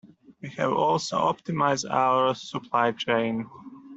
We have also optimised our supply chain.